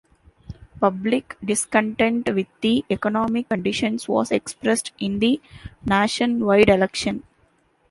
Public discontent with the economic conditions was expressed in the nationwide election.